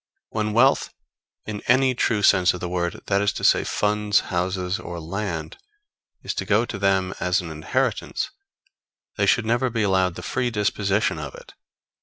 When wealth, in any true sense of the word, that is to say, funds, houses or land, is to go to them as an inheritance they should never be allowed the free disposition of it.